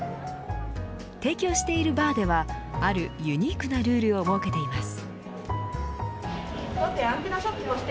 提供しているバーではあるユニークなルールを設けています。